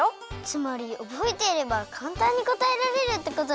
つまりおぼえていればかんたんにこたえられるってことですね。